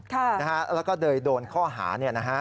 แล้วก็โดนข้อหา